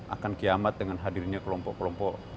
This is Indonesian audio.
akan kiamat dengan hadirnya kelompok kelompok